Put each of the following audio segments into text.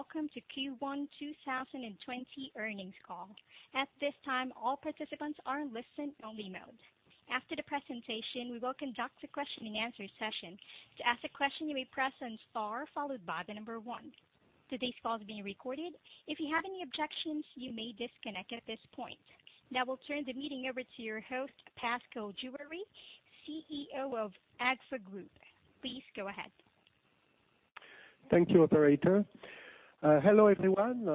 Welcome to Q1 2020 earnings call. At this time, all participants are in listen-only mode. After the presentation, we will conduct a question and answer session. To ask a question, you may press star followed by the number one. Today's call is being recorded. If you have any objections, you may disconnect at this point. Now we'll turn the meeting over to your host, Pascal Juéry, CEO of Agfa-Gevaert Group. Please go ahead. Thank you, operator. Hello, everyone.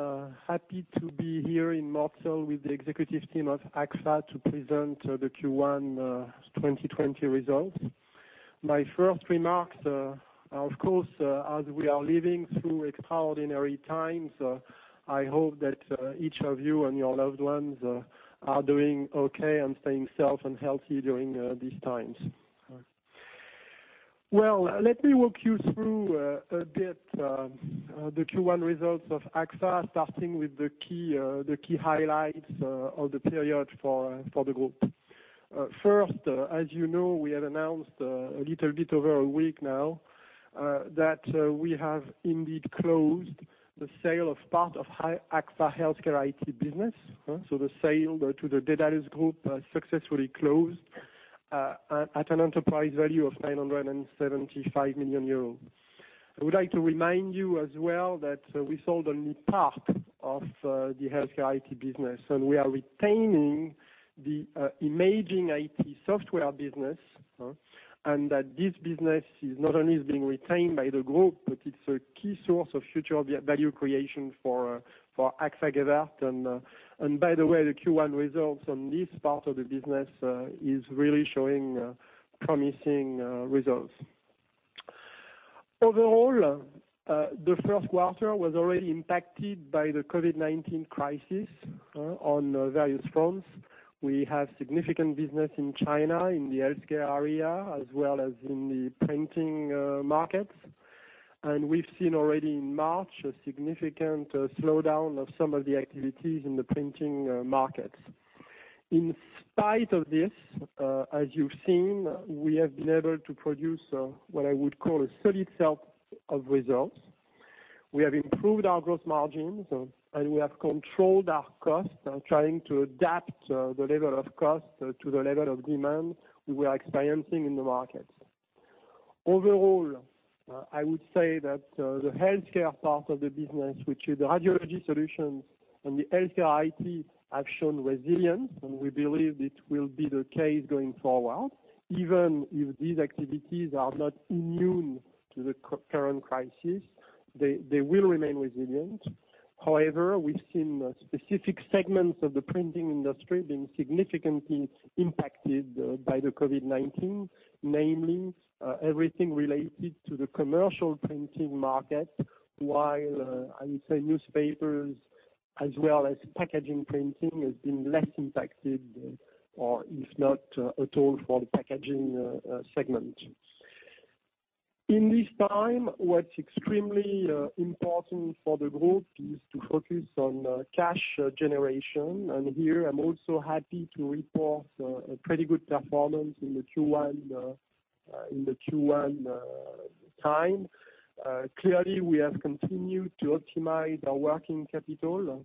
Happy to be here in Mortsel with the executive team of Agfa to present the Q1 2020 results. My first remarks, of course, as we are living through extraordinary times, I hope that each of you and your loved ones are doing okay and staying safe and healthy during these times. Well, let me walk you through a bit the Q1 results of Agfa, starting with the key highlights of the period for the group. First, as you know, we had announced a little bit over a week now that we have indeed closed the sale of part of Agfa HealthCare IT business. The sale to the Dedalus Group successfully closed at an enterprise value of 975 million euros. I would like to remind you as well that we sold only part of the HealthCare IT business, and we are retaining the Imaging IT software business, and that this business is not only being retained by the group, but it's a key source of future value creation for Agfa-Gevaert. By the way, the Q1 results on this part of the business is really showing promising results. Overall, the first quarter was already impacted by the COVID-19 crisis on various fronts. We have significant business in China, in the healthcare area, as well as in the printing markets. We've seen already in March a significant slowdown of some of the activities in the printing markets. In spite of this, as you've seen, we have been able to produce what I would call a solid set of results. We have improved our gross margins, and we have controlled our costs, trying to adapt the level of cost to the level of demand we were experiencing in the market. Overall, I would say that the healthcare part of the business, which is the Radiology Solutions and the HealthCare IT, have shown resilience, and we believe it will be the case going forward. Even if these activities are not immune to the current crisis, they will remain resilient. We've seen specific segments of the printing industry being significantly impacted by the COVID-19, namely everything related to the commercial printing market. I would say newspapers as well as packaging printing has been less impacted, or if not at all for the packaging segment. In this time, what's extremely important for the group is to focus on cash generation. Here I'm also happy to report a pretty good performance in the Q1 time. Clearly, we have continued to optimize our working capital,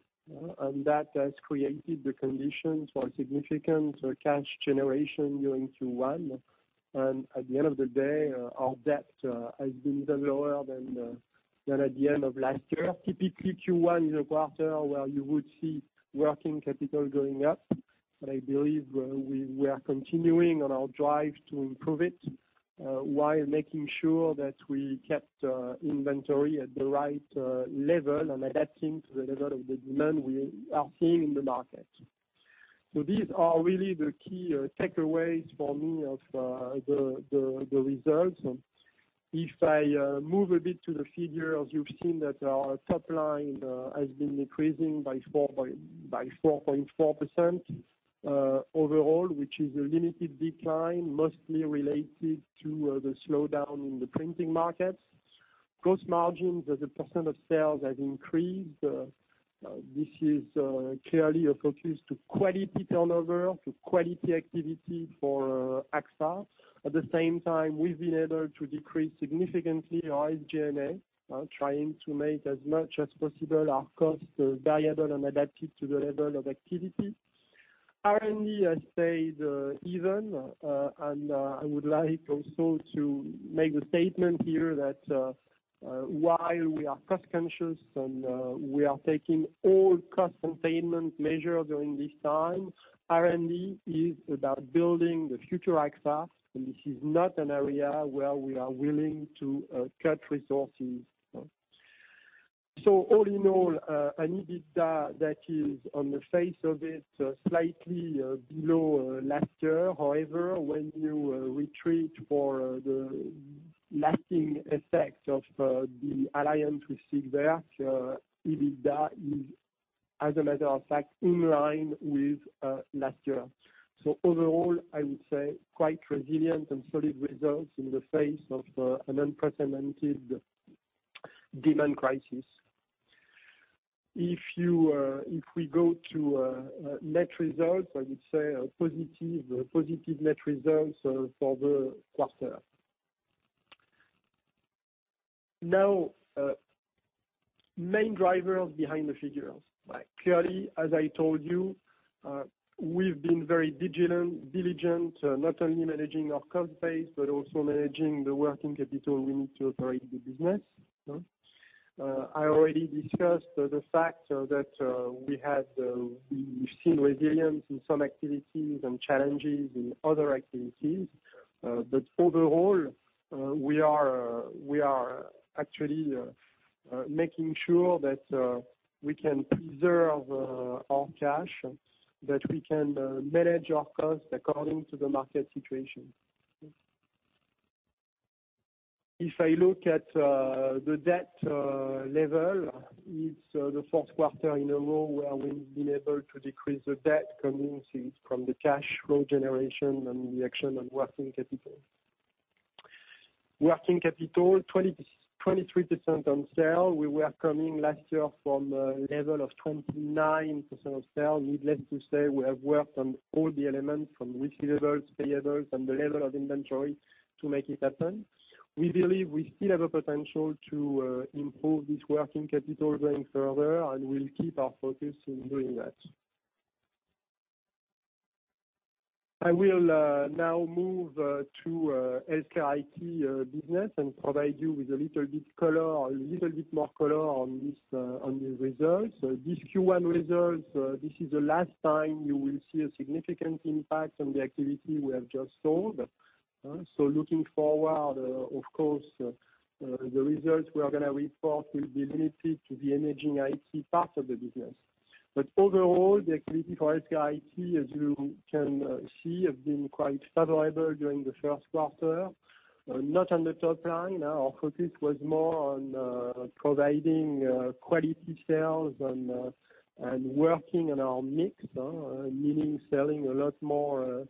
and that has created the conditions for significant cash generation during Q1. At the end of the day, our debt has been even lower than at the end of last year. Typically, Q1 is a quarter where you would see working capital going up, but I believe we are continuing on our drive to improve it while making sure that we kept inventory at the right level and adapting to the level of the demand we are seeing in the market. These are really the key takeaways for me of the results. If I move a bit to the figures, you've seen that our top line has been decreasing by 4.4% overall, which is a limited decline, mostly related to the slowdown in the printing markets. Gross margins as a percent of sales have increased. This is clearly a focus to quality turnover, to quality activity for Agfa. At the same time, we've been able to decrease significantly our SG&A, trying to make as much as possible our costs variable and adapted to the level of activity. R&D has stayed even, and I would like also to make the statement here that while we are cost-conscious and we are taking all cost containment measure during this time, R&D is about building the future Agfa, and this is not an area where we are willing to cut resources. All in all, an EBITDA that is on the face of it slightly below last year. However, when you retreat for the lasting effects of the alliance with Siegwerk, EBITDA is as a matter of fact in line with last year. Overall, I would say quite resilient and solid results in the face of an unprecedented demand crisis. If we go to net results, I would say positive net results for the quarter. Now, main drivers behind the figures. Clearly, as I told you, we've been very diligent, not only managing our cost base, but also managing the working capital we need to operate the business. I already discussed the fact that we've seen resilience in some activities and challenges in other activities. Overall, we are actually making sure that we can preserve our cash, that we can manage our costs according to the market situation. If I look at the debt level, it's the fourth quarter in a row where we've been able to decrease the debt coming from the cash flow generation and the action on working capital. Working capital, 23% on sale. We were coming last year from a level of 29% of sale. Needless to say, we have worked on all the elements from receivables, payables, and the level of inventory to make it happen. We believe we still have a potential to improve this working capital going further, and we'll keep our focus on doing that. I will now move to HealthCare IT business and provide you with a little bit more color on these results. These Q1 results, this is the last time you will see a significant impact on the activity we have just sold. Looking forward, of course, the results we are going to report will be limited to the Imaging IT part of the business. Overall, the activity for HealthCare IT, as you can see, has been quite favorable during the first quarter, not on the top line. Our focus was more on providing quality sales and working on our mix, meaning selling a lot more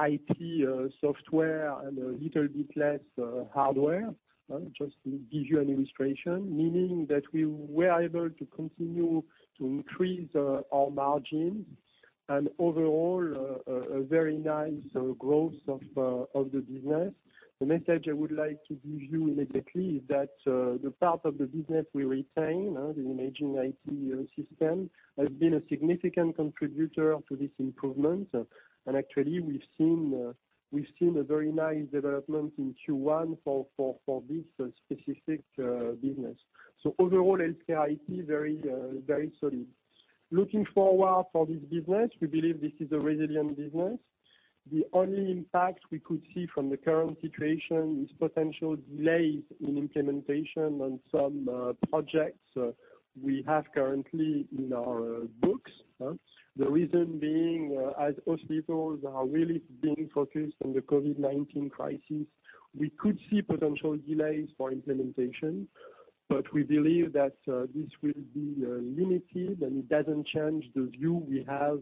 IT software and a little bit less hardware. Just to give you an illustration, meaning that we were able to continue to increase our margins and overall, a very nice growth of the business. The message I would like to give you immediately is that the part of the business we retain, the Imaging IT software, has been a significant contributor to this improvement. Actually, we've seen a very nice development in Q1 for this specific business. Overall, HealthCare IT, very solid. Looking forward for this business, we believe this is a resilient business. The only impact we could see from the current situation is potential delays in implementation on some projects we have currently in our books. The reason being, as hospitals are really being focused on the COVID-19 crisis, we could see potential delays for implementation, but we believe that this will be limited, and it doesn't change the view we have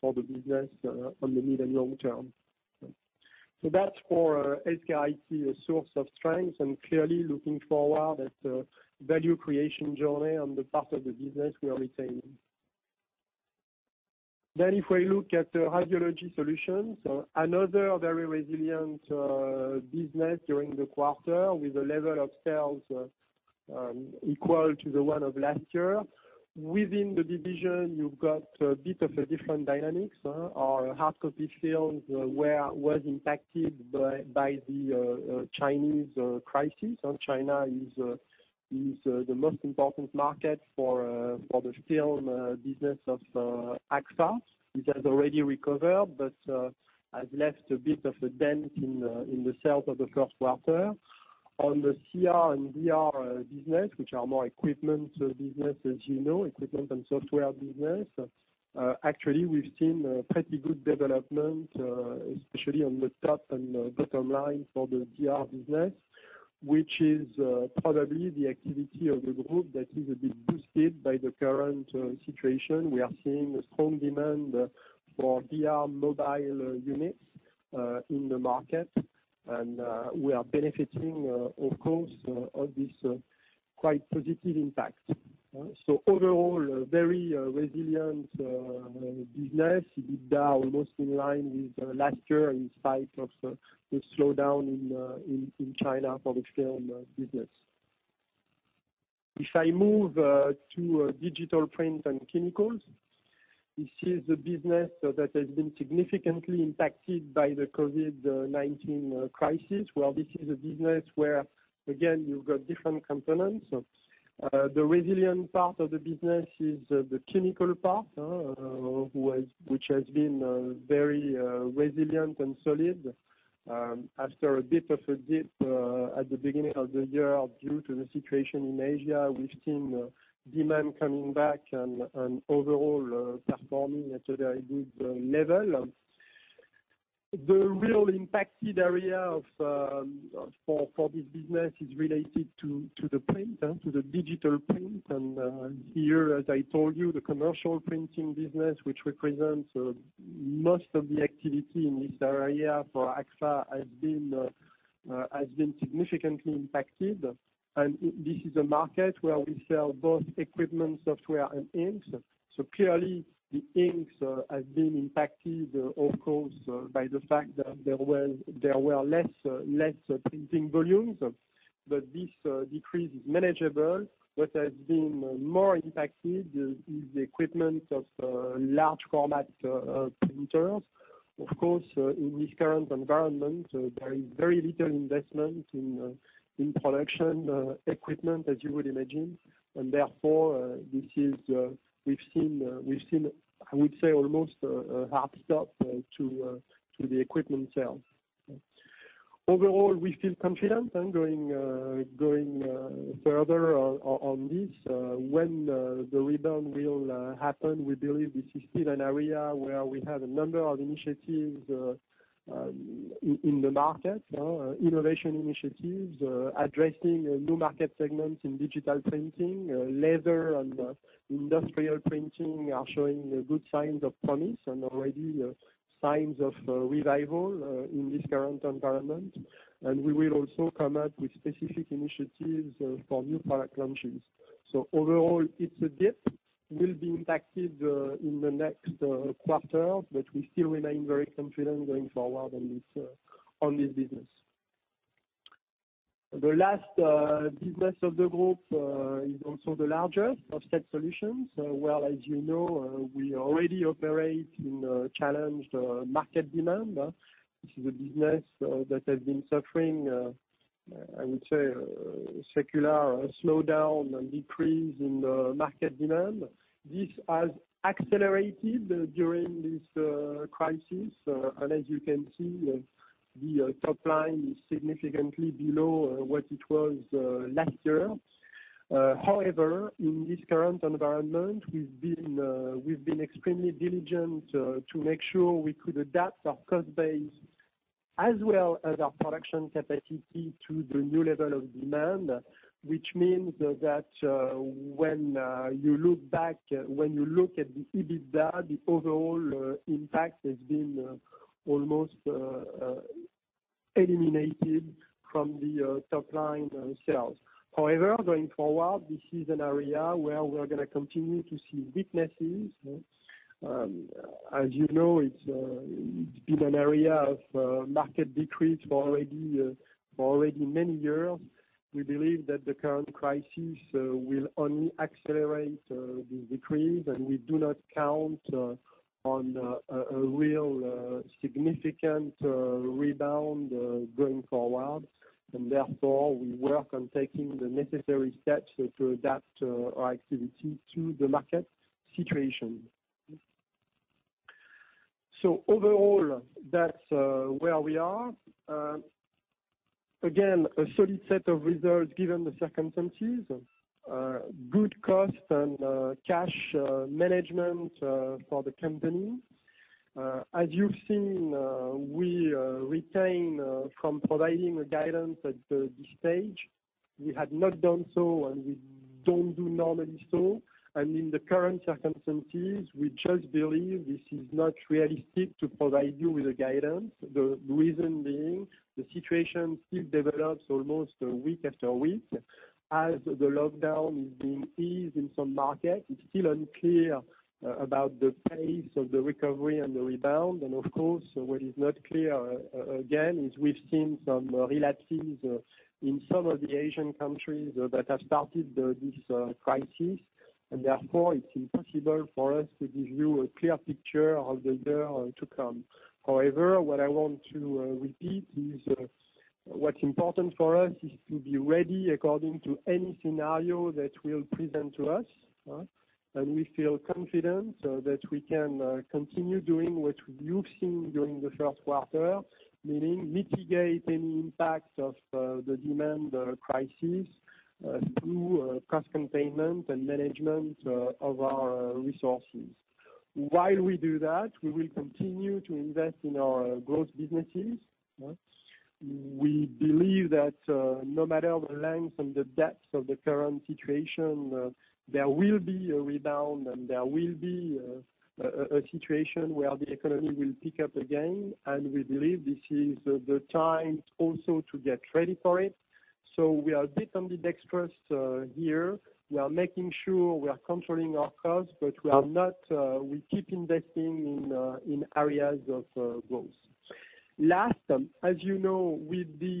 for the business on the mid and long term. That's for HealthCare IT, a source of strength and clearly looking forward at the value creation journey on the part of the business we are retaining. If we look at Radiology Solutions, another very resilient business during the quarter with a level of sales equal to the one of last year. Within the division, you've got a bit of a different dynamics. Our hardcopy film was impacted by the Chinese crisis. China is the most important market for the film business of Agfa, which has already recovered but has left a bit of a dent in the sales of the first quarter. On the CR and DR business, which are more equipment business, as you know, equipment and software business, actually, we've seen pretty good development, especially on the top and bottom line for the DR business, which is probably the activity of the group that is a bit boosted by the current situation. We are seeing a strong demand for DR mobile units in the market. We are benefiting, of course, of this quite positive impact. Overall, a very resilient business, EBITDA almost in line with last year in spite of the slowdown in China for the film business. If I move to Digital Print & Chemicals, this is the business that has been significantly impacted by the COVID-19 crisis, where this is a business where, again, you've got different components. The resilient part of the business is the chemical part which has been very resilient and solid. After a bit of a dip at the beginning of the year due to the situation in Asia, we've seen demand coming back and overall performing at a very good level. The real impacted area for this business is related to the digital print. Here, as I told you, the commercial printing business, which represents most of the activity in this area for Agfa, has been significantly impacted. This is a market where we sell both equipment, software, and inks. Clearly the inks have been impacted, of course, by the fact that there were less printing volumes, but this decrease is manageable. What has been more impacted is the equipment of large format printers. Of course, in this current environment, there is very little investment in production equipment, as you would imagine. Therefore, we've seen, I would say, almost a hard stop to the equipment sales. Overall, we feel confident in going further on this. When the rebound will happen, we believe this is still an area where we have a number of initiatives in the market. Innovation initiatives, addressing new market segments in digital printing, leather and industrial printing are showing good signs of promise and already signs of revival in this current environment. We will also come out with specific initiatives for new product launches. Overall, it's a dip. We'll be impacted in the next quarter, but we still remain very confident going forward on this business. The last business of the group is also the largest, Offset Solutions. Well, as you know, we already operate in a challenged market demand. This is a business that has been suffering, I would say, a secular slowdown and decrease in market demand. This has accelerated during this crisis. As you can see, the top line is significantly below what it was last year. However, in this current environment, we've been extremely diligent to make sure we could adapt our cost base as well as our production capacity to the new level of demand. Which means that when you look at the EBITDA, the overall impact has been almost eliminated from the top-line sales. However, going forward, this is an area where we're going to continue to see weaknesses. As you know, it's been an area of market decrease for already many years. We believe that the current crisis will only accelerate this decrease, and we do not count on a real significant rebound going forward. Therefore, we work on taking the necessary steps to adapt our activity to the market situation. Overall, that's where we are. Again, a solid set of results given the circumstances. Good cost and cash management for the company. As you've seen, we retain from providing a guidance at this stage. We had not done so, and we don't do normally so. In the current circumstances, we just believe this is not realistic to provide you with a guidance. The reason being, the situation still develops almost week after week. As the lockdown is being eased in some markets, it's still unclear about the pace of the recovery and the rebound. Of course, what is not clear, again, is we've seen some relapses in some of the Asian countries that have started this crisis, and therefore it's impossible for us to give you a clear picture of the year to come. However, what I want to repeat is, what's important for us is to be ready according to any scenario that will present to us. We feel confident that we can continue doing what you've seen during the first quarter, meaning mitigate any impacts of the demand crisis through cost containment and management of our resources. While we do that, we will continue to invest in our growth businesses. We believe that no matter the length and the depth of the current situation, there will be a rebound and there will be a situation where the economy will pick up again. We believe this is the time also to get ready for it. We are a bit ambidextrous here. We are making sure we are controlling our costs. We keep investing in areas of growth. Last, as you know, with the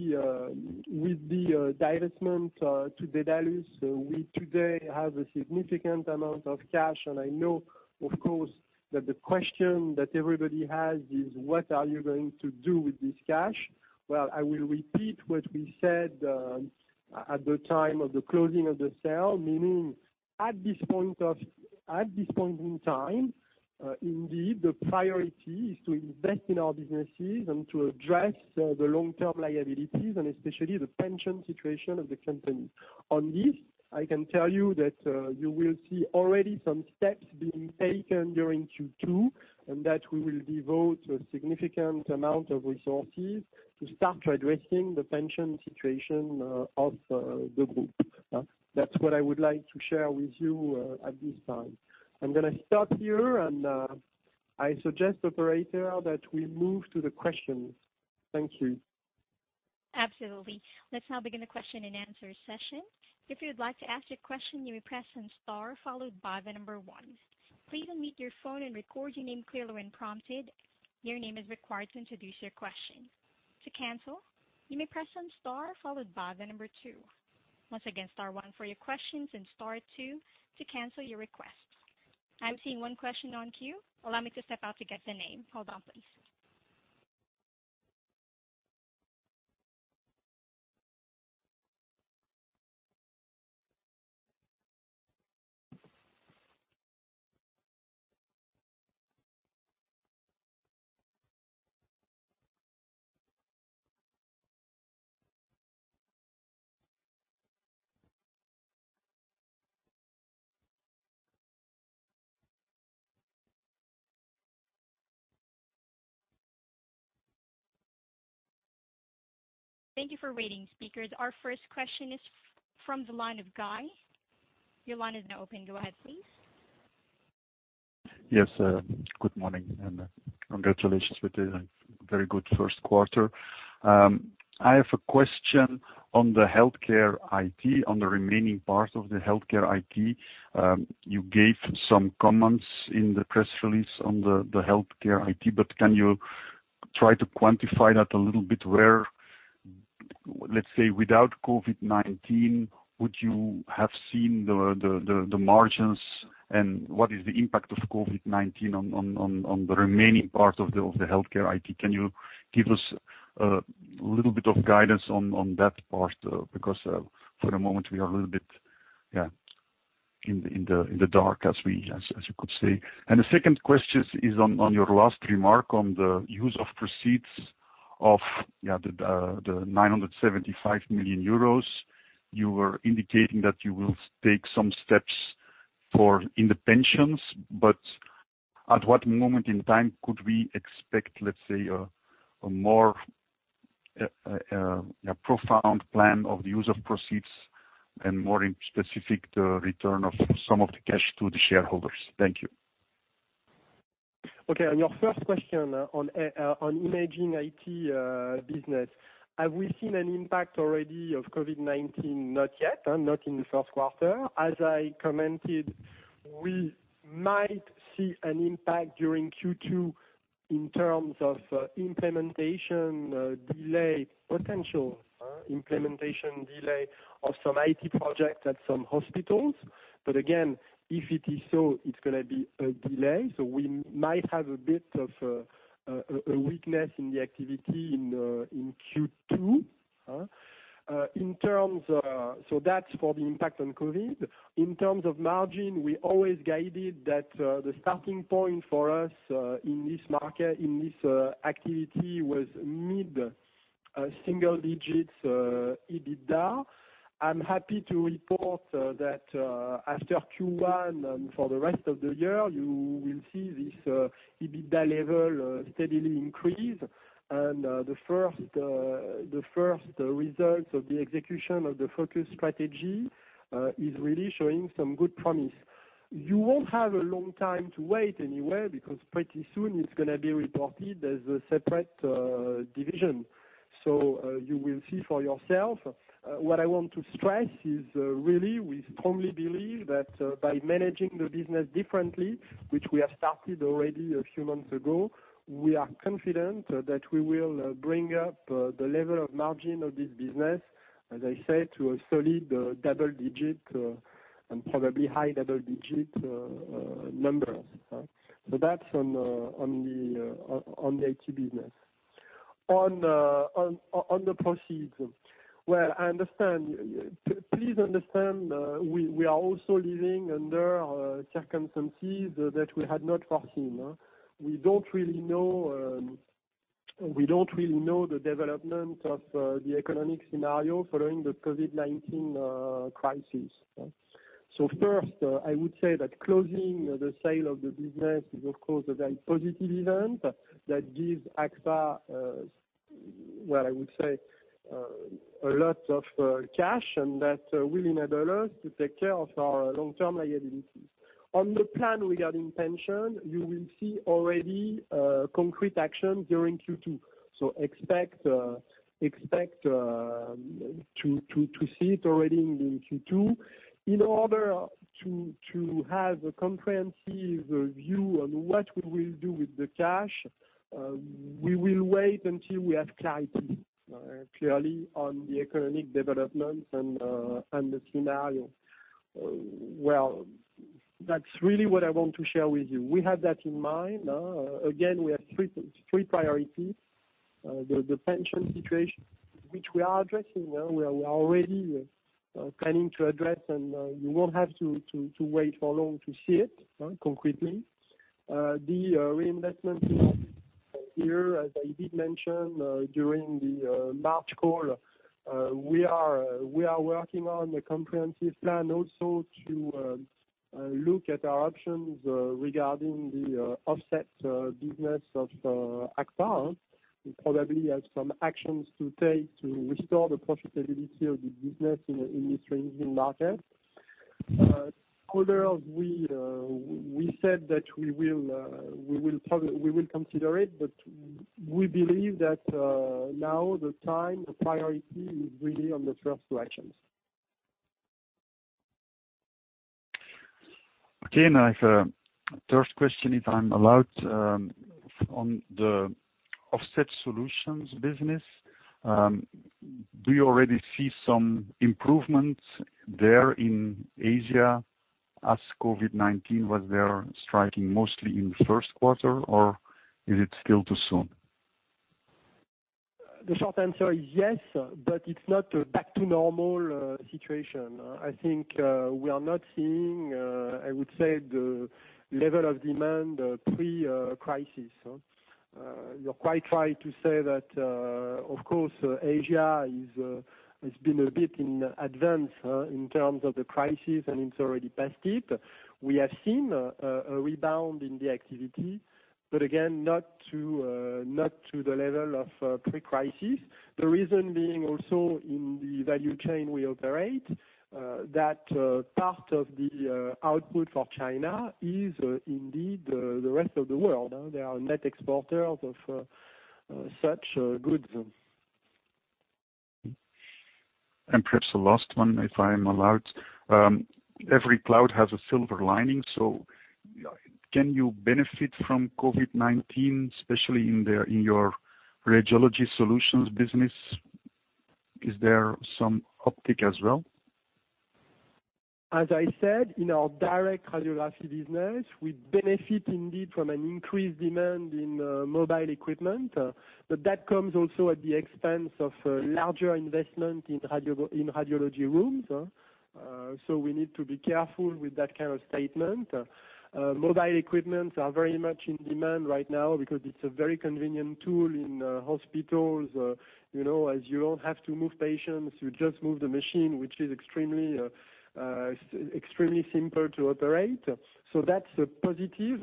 divestment to Dedalus, we today have a significant amount of cash. I know, of course, that the question that everybody has is what are you going to do with this cash? Well, I will repeat what we said at the time of the closing of the sale, meaning at this point in time, indeed, the priority is to invest in our businesses and to address the long-term liabilities and especially the pension situation of the company. On this, I can tell you that you will see already some steps being taken during Q2, and that we will devote a significant amount of resources to start addressing the pension situation of the group. That's what I would like to share with you at this time. I'm going to stop here and I suggest, operator, that we move to the questions. Thank you. Absolutely. Let's now begin the question and answer session. If you would like to ask your question, you may press star followed by the number one. Please unmute your phone and record your name clearly when prompted. Your name is required to introduce your question. To cancel, you may press star followed by the number two. Once again, star one for your questions and star two to cancel your request. I'm seeing one question on queue. Allow me to step out to get the name. Hold on, please. Thank you for waiting, speakers. Our first question is from the line of Guy. Your line is now open. Go ahead, please. Yes. Good morning. Congratulations with a very good first quarter. I have a question on the remaining part of the HealthCare IT. You gave some comments in the press release on the HealthCare IT. Can you try to quantify that a little bit where, let's say, without COVID-19, would you have seen the margins and what is the impact of COVID-19 on the remaining part of the HealthCare IT? Can you give us a little bit of guidance on that part? For the moment, we are a little bit in the dark, as you could say. The second question is on your last remark on the use of proceeds of the 975 million euros. You were indicating that you will take some steps for in the pensions, but at what moment in time could we expect, let's say, a more profound plan of the use of proceeds and more specific, the return of some of the cash to the shareholders? Thank you. On your first question on Imaging IT business, have we seen an impact already of COVID-19? Not yet. Not in the first quarter. As I commented, we might see an impact during Q2 in terms of potential implementation delay of some IT projects at some hospitals. Again, if it is so, it's going to be a delay. We might have a bit of a weakness in the activity in Q2. That's for the impact on COVID. In terms of margin, we always guided that the starting point for us in this activity was mid-single digits EBITDA. I'm happy to report that after Q1 and for the rest of the year, you will see this EBITDA level steadily increase. The first results of the execution of the focus strategy is really showing some good promise. You won't have a long time to wait anyway, because pretty soon it's going to be reported as a separate division. You will see for yourself. What I want to stress is really, we strongly believe that by managing the business differently, which we have started already a few months ago, we are confident that we will bring up the level of margin of this business, as I said, to a solid double-digit and probably high double-digit numbers. That's on the IT business. On the proceeds. Well, please understand, we are also living under circumstances that we had not foreseen. We don't really know the development of the economic scenario following the COVID-19 crisis. First, I would say that closing the sale of the business is, of course, a very positive event that gives Agfa, well, I would say, a lot of cash and that will enable us to take care of our long-term liabilities. On the plan regarding pension, you will see already concrete action during Q2. Expect to see it already in Q2. In order to have a comprehensive view on what we will do with the cash, we will wait until we have clarity, clearly, on the economic development and the scenario. That's really what I want to share with you. We have that in mind. Again, we have three priorities. The pension situation, which we are addressing. We are already planning to address, and you won't have to wait for long to see it concretely. The reinvestment here, as I did mention during the March call, we are working on a comprehensive plan also to look at our options regarding the offset business of Agfa. We probably have some actions to take to restore the profitability of the business in the shrinking market. The others, we said that we will consider it, but we believe that now the time, the priority is really on the first two actions. Okay, nice. Third question, if I'm allowed, on the Offset Solutions business. Do you already see some improvement there in Asia as COVID-19 was there striking mostly in first quarter, or is it still too soon? The short answer is yes, but it's not back to normal situation. I think we are not seeing, I would say, the level of demand pre-crisis. You're quite right to say that, of course, Asia has been a bit in advance in terms of the crisis, and it's already past it. We have seen a rebound in the activity, but again, not to the level of pre-crisis. The reason being also in the value chain we operate, that part of the output for China is indeed the rest of the world. They are net exporters of such goods. Perhaps the last one, if I'm allowed. Every cloud has a silver lining. Can you benefit from COVID-19, especially in your Radiology Solutions business? Is there some uptick as well? As I said, in our Direct Radiography business, we benefit indeed from an increased demand in mobile equipment. That comes also at the expense of larger investment in radiology rooms. We need to be careful with that kind of statement. Mobile equipment are very much in demand right now because it's a very convenient tool in hospitals, as you don't have to move patients, you just move the machine, which is extremely simple to operate. That's a positive.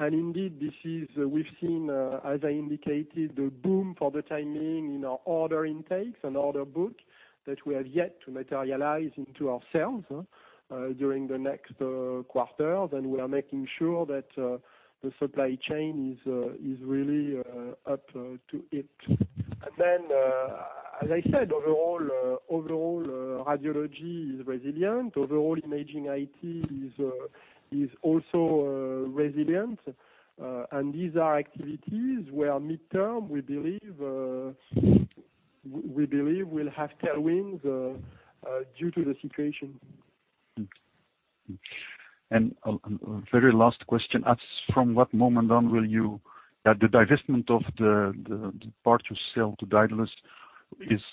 Indeed, we've seen, as I indicated, the boom for the time being in our order intakes and order book that we have yet to materialize into our sales during the next quarter. We are making sure that the supply chain is really up to it. As I said, overall, radiology is resilient. Overall, Imaging IT is also resilient. These are activities where midterm, we believe we'll have tailwinds due to the situation. Very last question. As from what moment then will you have the divestment of the part you sell to Dedalus.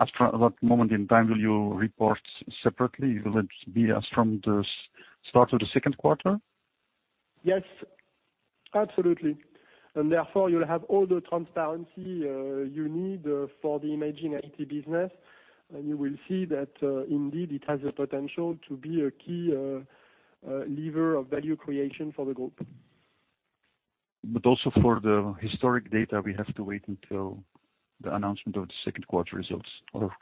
After what moment in time will you report separately? Will it be as from the start of the second quarter? Yes. Absolutely. Therefore, you'll have all the transparency you need for the Imaging IT business. You will see that indeed it has the potential to be a key lever of value creation for the group. Also for the historic data, we have to wait until the announcement of the second quarter results.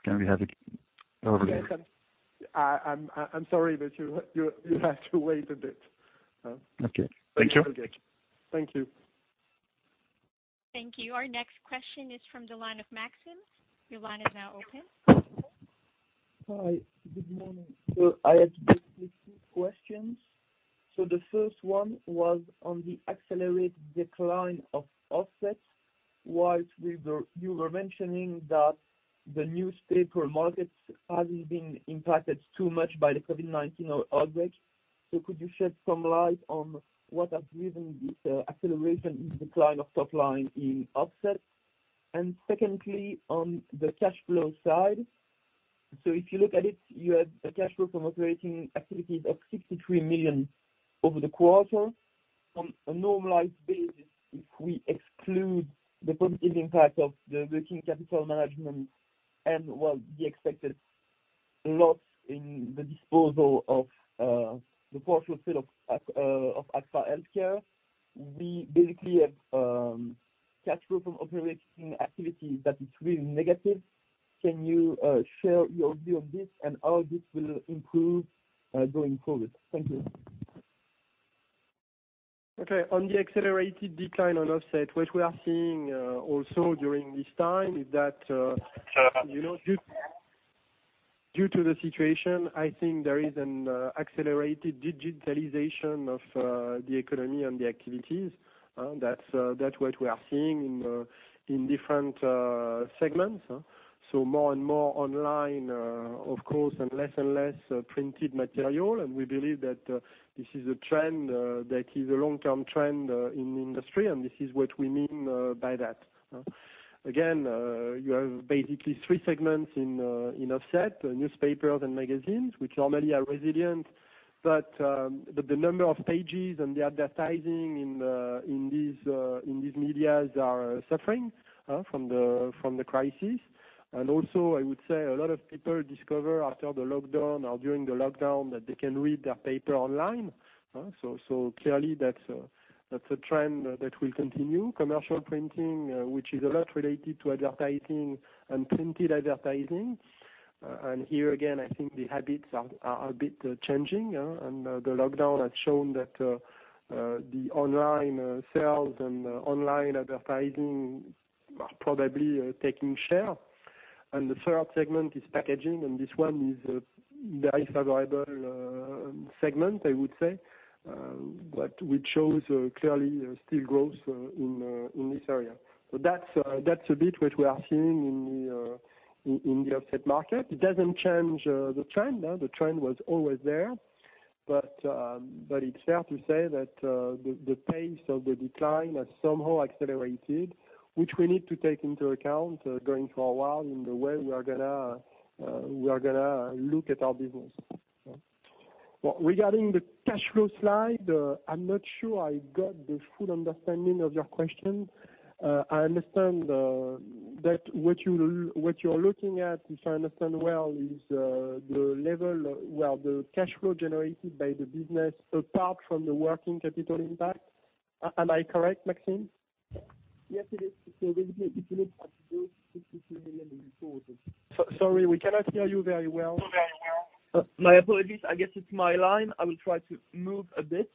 Can we have it earlier? I'm sorry, but you have to wait a bit. Okay. Thank you. Thank you. Thank you. Our next question is from the line of Maxime. Your line is now open. Hi. Good morning. I have basically two questions. The first one was on the accelerated decline of offsets. While you were mentioning that the newspaper market hasn't been impacted too much by the COVID-19 outbreak. Could you shed some light on what has driven this acceleration in decline of top line in offset? Secondly, on the cash flow side. If you look at it, you have a cash flow from operating activities of 63 million over the quarter. On a normalized basis, if we exclude the positive impact of the working capital management and the expected loss in the disposal of the portfolio sale of Agfa HealthCare, we basically have cash flow from operating activities that is really negative. Can you share your view of this and how this will improve going forward? Thank you. Okay. On the accelerated decline on offset, what we are seeing also during this time is that due to the situation, I think there is an accelerated digitalization of the economy and the activities. That's what we are seeing in different segments. More and more online, of course, and less and less printed material, and we believe that this is a trend that is a long-term trend in the industry, and this is what we mean by that. You have basically three segments in offset, newspapers and magazines, which normally are resilient. The number of pages and the advertising in these medias are suffering from the crisis. Also, I would say a lot of people discover after the lockdown or during the lockdown that they can read their paper online. Clearly, that's a trend that will continue. Commercial printing, which is a lot related to advertising and printed advertising. Here again, I think the habits are a bit changing, and the lockdown has shown that the online sales and online advertising are probably taking share. The third segment is packaging, and this one is a very favorable segment, I would say, but which shows clearly still growth in this area. That's a bit what we are seeing in the offset market. It doesn't change the trend. The trend was always there. It's fair to say that the pace of the decline has somehow accelerated, which we need to take into account going forward in the way we are going to look at our business. Regarding the cash flow slide, I'm not sure I got the full understanding of your question. I understand that what you're looking at, if I understand well, is the level where the cash flow generated by the business apart from the working capital impact. Am I correct, Maxime? Yes, it is. Basically, if you look at those EUR 63 million in the quarter. Sorry, we cannot hear you very well. My apologies. I guess it's my line. I will try to move a bit.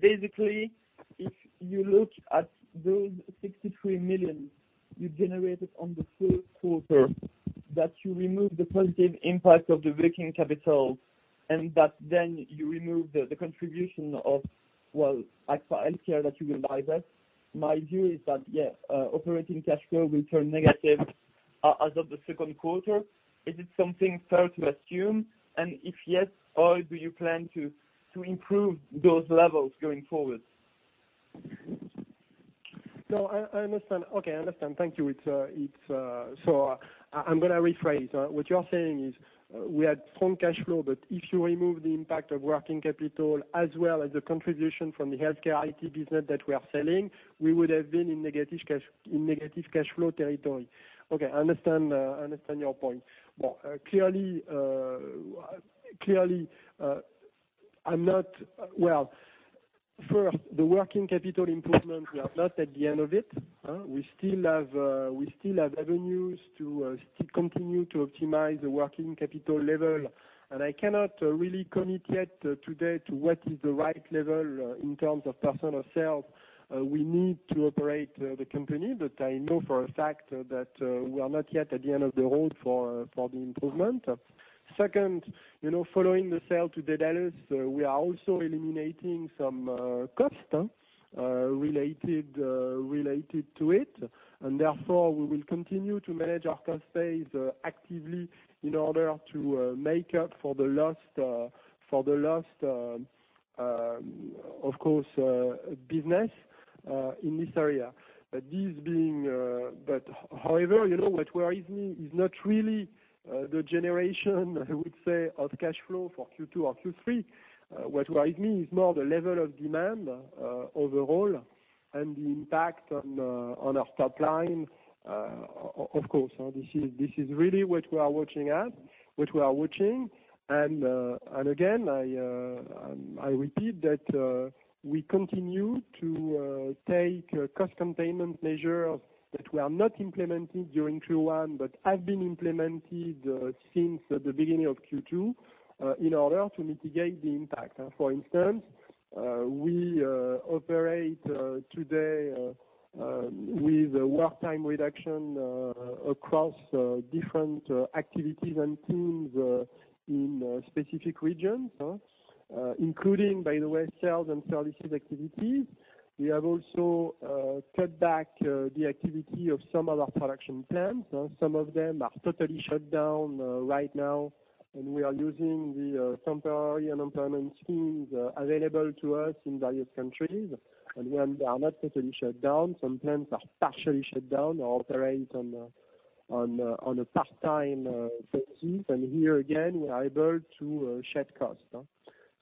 Basically, if you look at those 63 million you generated on the first quarter, that you remove the positive impact of the working capital, and that then you remove the contribution of, well, Agfa HealthCare that you will divest, my view is that, yeah, operating cash flow will turn negative as of the second quarter. Is it something fair to assume? If yes, how do you plan to improve those levels going forward? No, I understand. Okay, I understand. Thank you. I'm going to rephrase. What you're saying is we had strong cash flow, but if you remove the impact of working capital as well as the contribution from the HealthCare IT business that we are selling, we would have been in negative cash flow territory. Okay, I understand your point. Well, first, the working capital improvement, we are not at the end of it. We still have avenues to still continue to optimize the working capital level, and I cannot really commit yet today to what is the right level in terms of personnel sales we need to operate the company. I know for a fact that we are not yet at the end of the road for the improvement. Second, following the sale to Dedalus, we are also eliminating some cost related to it, and therefore, we will continue to manage our cost base actively in order to make up for the lost, of course, business in this area. What worries me is not really the generation, I would say, of cash flow for Q2 or Q3. What worries me is more the level of demand overall and the impact on our top line, of course. This is really what we are watching. Again, I repeat that we continue to take cost containment measures that were not implemented during Q1 but have been implemented since the beginning of Q2 in order to mitigate the impact. For instance, we operate today with work time reduction across different activities and teams in specific regions, including, by the way, sales and services activities. We have also cut back the activity of some of our production plants. Some of them are totally shut down right now. We are using the temporary unemployment schemes available to us in various countries. When they are not totally shut down, some plants are partially shut down or operate on a part-time basis. Here again, we are able to shed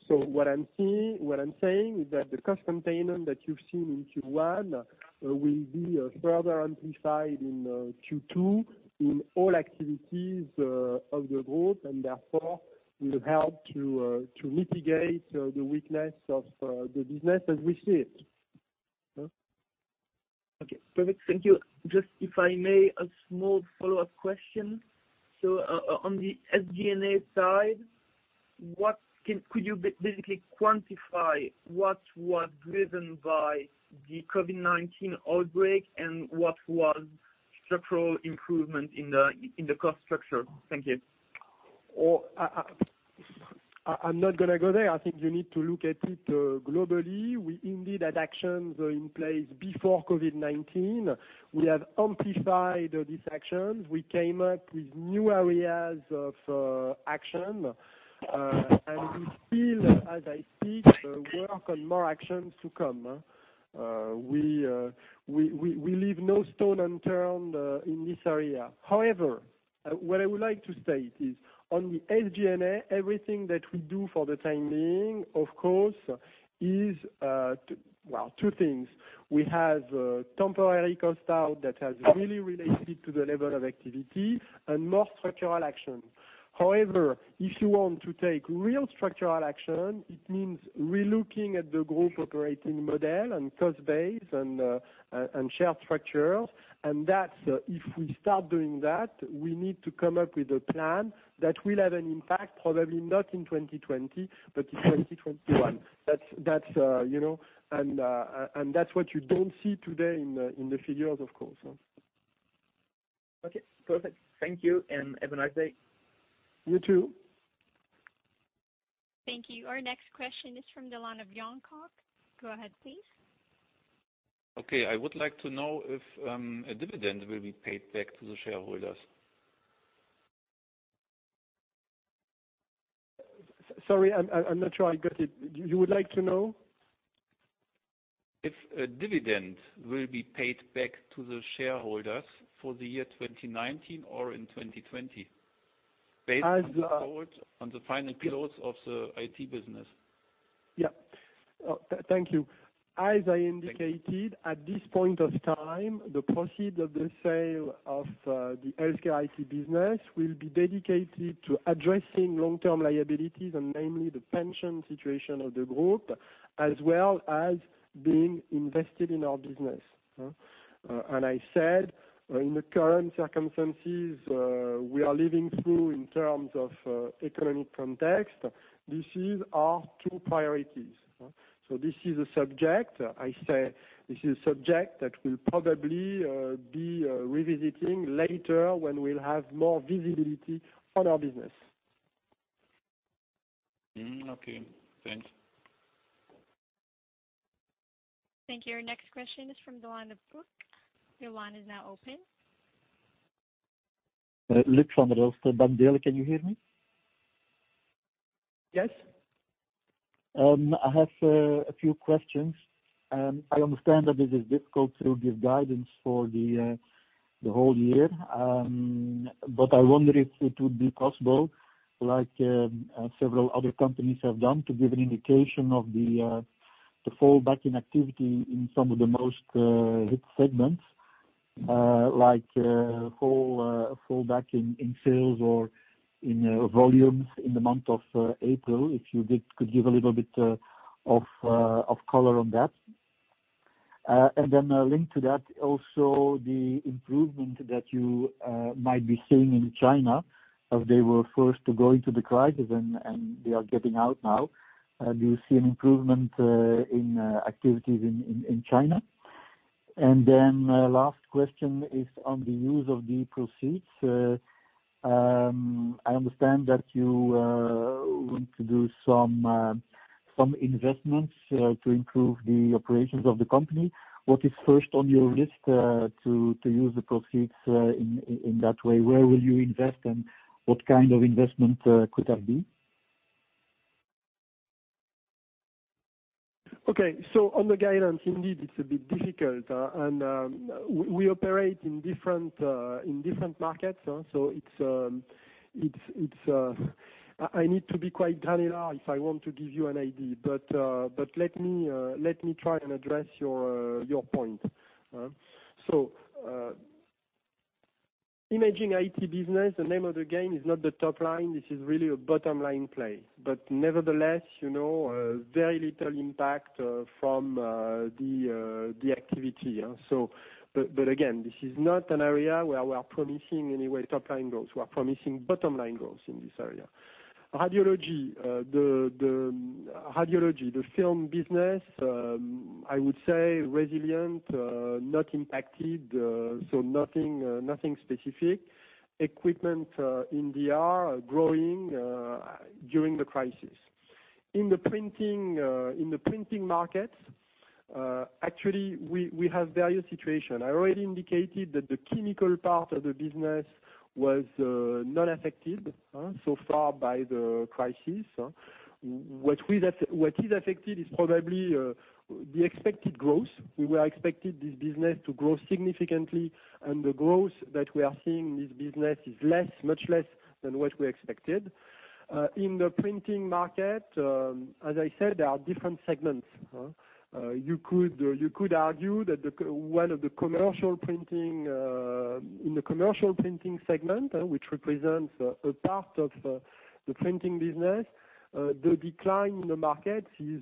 cost. What I'm saying is that the cost containment that you've seen in Q1 will be further amplified in Q2 in all activities of the group and therefore will help to mitigate the weakness of the business as we see it. Okay, perfect. Thank you. Just if I may, a small follow-up question. On the SG&A side, could you basically quantify what was driven by the COVID-19 outbreak and what was structural improvement in the cost structure? Thank you. I'm not going to go there. I think you need to look at it globally. We indeed had actions in place before COVID-19. We have amplified these actions. We came up with new areas of action, and we still, as I speak, work on more actions to come. We leave no stone unturned in this area. However, what I would like to state is on the SG&A, everything that we do for the time being, of course, is two things. We have temporary cost out that has really related to the level of activity and more structural action. However, if you want to take real structural action, it means relooking at the group operating model and cost base and share structures. If we start doing that, we need to come up with a plan that will have an impact, probably not in 2020, but in 2021. That's what you don't see today in the figures, of course. Okay, perfect. Thank you and have a nice day. You too. Thank you. Our next question is from the line of Jan de Kok. Go ahead, please. Okay. I would like to know if a dividend will be paid back to the shareholders. Sorry, I'm not sure I got it. You would like to know? If a dividend will be paid back to the shareholders for the year 2019 or in 2020 based on the final close of the IT business. Yeah. Thank you. As I indicated, at this point of time, the proceed of the sale of the HealthCare IT business will be dedicated to addressing long-term liabilities, and namely the pension situation of the Group, as well as being invested in our business. I said, in the current circumstances we are living through in terms of economic context, this is our two priorities. This is a subject that we'll probably be revisiting later when we'll have more visibility on our business. Okay, thanks. Thank you. Our next question is from the line of Degroof. Your line is now open. Kippers of Degroof Petercam, can you hear me? Yes. I have a few questions. I understand that it is difficult to give guidance for the whole year, but I wonder if it would be possible, like several other companies have done, to give an indication of the fallback in activity in some of the most hit segments, like fallback in sales or in volumes in the month of April, if you could give a little bit of color on that. Linked to that, also the improvement that you might be seeing in China as they were first to go into the crisis and they are getting out now. Do you see an improvement in activities in China? Last question is on the use of the proceeds. I understand that you want to do some investments to improve the operations of the company. What is first on your list to use the proceeds in that way? Where will you invest, and what kind of investment could that be? Okay. On the guidance, indeed, it's a bit difficult. We operate in different markets, so I need to be quite granular if I want to give you an idea. Let me try and address your point. Imaging IT business, the name of the game is not the top line. This is really a bottom-line play. Nevertheless, very little impact from the activity. Again, this is not an area where we are promising any top-line goals. We are promising bottom-line goals in this area. Radiology, the film business, I would say resilient, not impacted, so nothing specific. Equipment in DR growing during the crisis. In the printing markets, actually, we have various situation. I already indicated that the chemical part of the business was not affected so far by the crisis. What is affected is probably the expected growth. We were expecting this business to grow significantly, and the growth that we are seeing in this business is much less than what we expected. In the printing market, as I said, there are different segments. You could argue that in the commercial printing segment, which represents a part of the printing business, the decline in the market is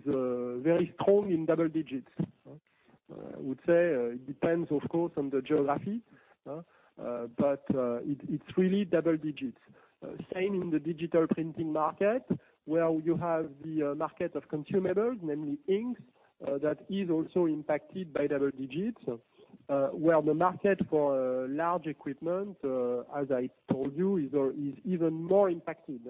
very strong in double digits. I would say it depends, of course, on the geography, but it's really double digits. Same in the digital printing market, where you have the market of consumables, namely inks, that is also impacted by double digits. Where the market for large equipment, as I told you, is even more impacted.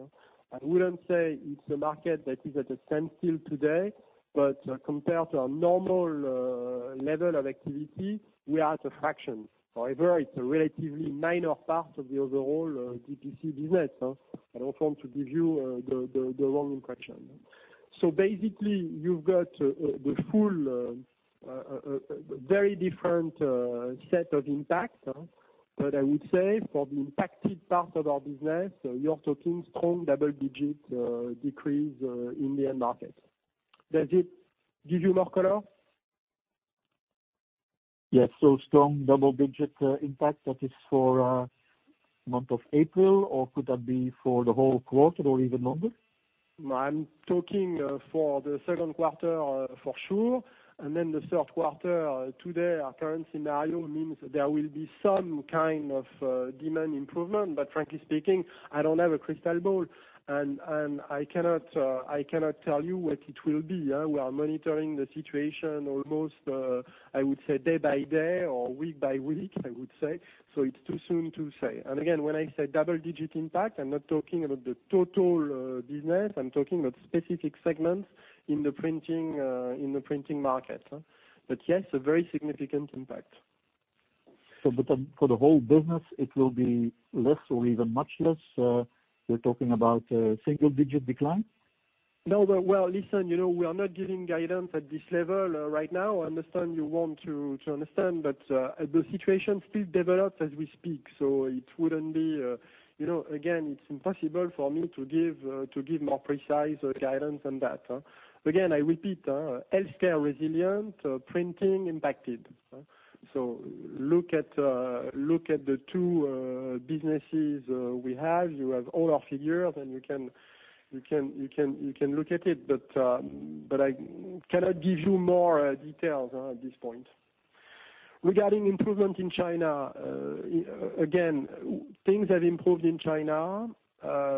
I wouldn't say it's a market that is at a standstill today, but compared to our normal level of activity, we are at a fraction. It's a relatively minor part of the overall DPC business. I don't want to give you the wrong impression. Basically, you've got the full very different set of impacts. I would say for the impacted part of our business, you're talking strong double-digit decrease in the end market. Does it give you more color? Yes. Strong double-digit impact, that is for month of April, or could that be for the whole quarter or even longer? I'm talking for the second quarter for sure, and then the third quarter. Today, our current scenario means there will be some kind of demand improvement, frankly speaking, I don't have a crystal ball, and I cannot tell you what it will be. We are monitoring the situation almost, I would say day by day or week by week, I would say. It's too soon to say. Again, when I say double-digit impact, I'm not talking about the total business. I'm talking about specific segments in the printing market. Yes, a very significant impact. But for the whole business, it will be less or even much less? We're talking about a single-digit decline? No. Well, listen, we are not giving guidance at this level right now. I understand you want to understand, but the situation still develops as we speak, so again, it's impossible for me to give more precise guidance on that. Again, I repeat, healthcare, resilient. Printing, impacted. Look at the two businesses we have. You have all our figures and you can look at it. I cannot give you more details at this point. Regarding improvement in China, again, things have improved in China.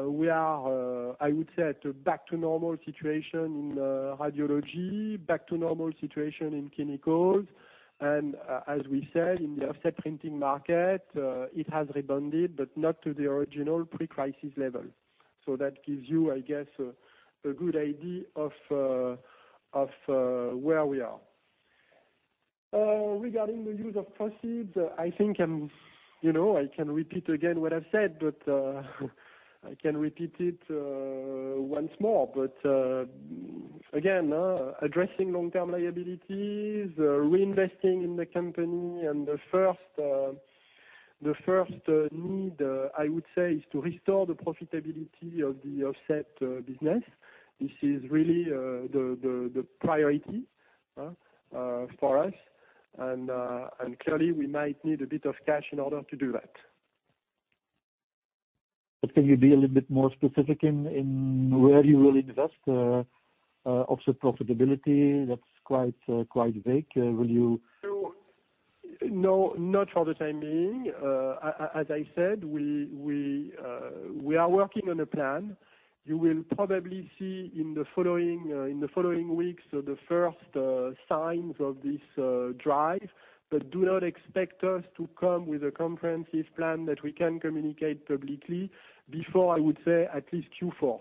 We are, I would say, at back to normal situation in radiology, back to normal situation in chemicals. As we said in the offset printing market, it has rebounded, but not to the original pre-crisis level. That gives you, I guess, a good idea of where we are. Regarding the use of proceeds, I think I can repeat again what I've said, but I can repeat it once more. Addressing long-term liabilities, reinvesting in the company, and the first need, I would say, is to restore the profitability of the offset business. This is really the priority for us. Clearly, we might need a bit of cash in order to do that. Can you be a little bit more specific in where you will invest? Offset profitability, that's quite vague. No, not for the time being. As I said, we are working on a plan. You will probably see in the following weeks, the first signs of this drive. Do not expect us to come with a comprehensive plan that we can communicate publicly before, I would say, at least Q4.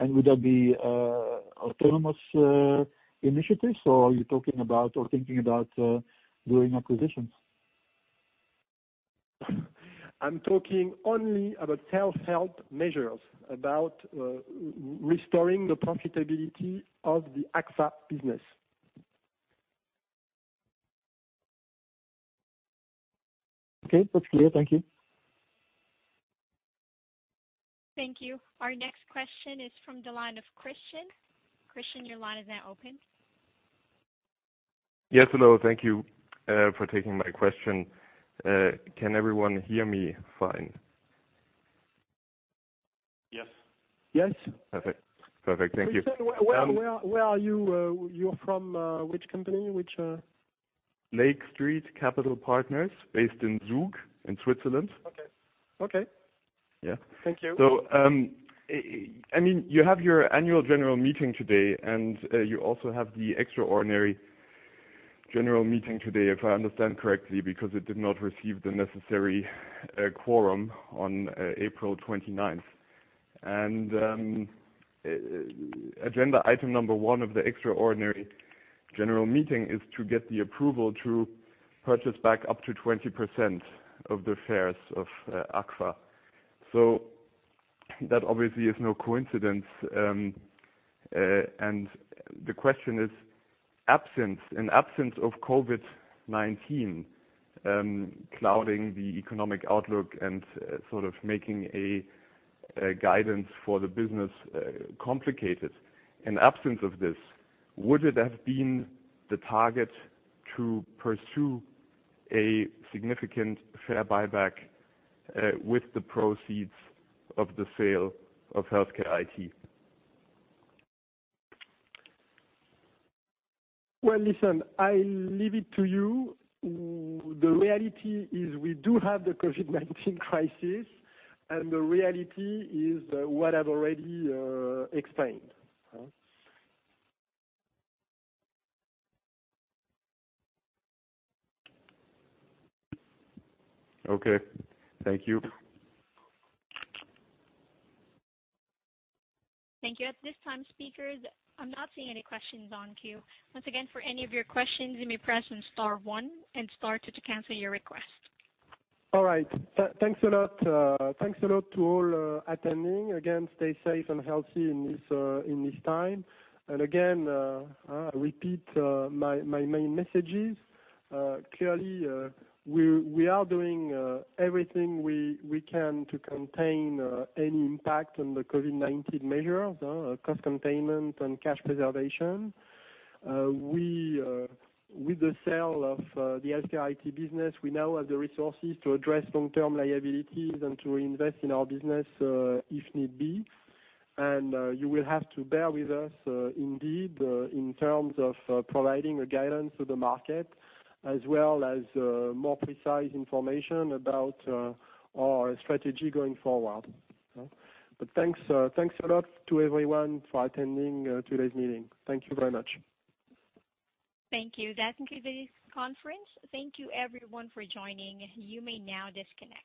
Would that be autonomous initiatives, or are you talking about or thinking about doing acquisitions? I'm talking only about self-help measures, about restoring the profitability of the Agfa business. Okay, that's clear. Thank you. Thank you. Our next question is from the line of Christian. Christian, your line is now open. Yes, hello. Thank you for taking my question. Can everyone hear me fine? Yes. Yes. Perfect. Thank you. Christian, where are you? You're from which company? Lake Street Capital Partners, based in Zug, in Switzerland. Okay. Yeah. Thank you. You have your annual general meeting today, and you also have the extraordinary general meeting today, if I understand correctly, because it did not receive the necessary quorum on April 29. Agenda item number one of the extraordinary general meeting is to get the approval to purchase back up to 20% of the shares of Agfa. That obviously is no coincidence. The question is, in absence of COVID-19 clouding the economic outlook and sort of making a guidance for the business complicated, in absence of this, would it have been the target to pursue a significant share buyback with the proceeds of the sale of HealthCare IT? Well, listen, I leave it to you. The reality is we do have the COVID-19 crisis. The reality is what I've already explained. Okay. Thank you. Thank you. At this time, speakers, I'm not seeing any questions on queue. Once again, for any of your questions, you may press star one and star two to cancel your request. All right. Thanks a lot to all attending. Again, stay safe and healthy in this time. Again, I repeat my main messages. Clearly, we are doing everything we can to contain any impact on the COVID-19 measures, cost containment and cash preservation. With the sale of the HealthCare IT business, we now have the resources to address long-term liabilities and to reinvest in our business if need be. You will have to bear with us indeed in terms of providing a guidance to the market as well as more precise information about our strategy going forward. Thanks a lot to everyone for attending today's meeting. Thank you very much. Thank you. That concludes conference. Thank you everyone for joining. You may now disconnect.